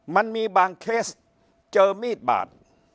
มันมีบางเคสเจอมีดบาด